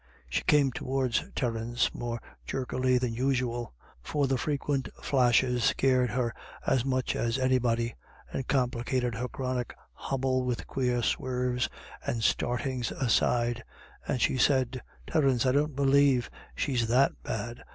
She came towards Terence more jerkily than usual, 190 IRISH IDYLLS. for the frequent flashes scared her as much as any body, and complicated her chronic hobble with queer swerves and startings aside ; and she said :" Terence, I don't believe she's that bad.